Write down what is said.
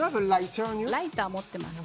ライターを持ってますか。